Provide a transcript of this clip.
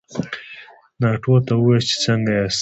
ناټو ته ووایاست چې څنګه ياست؟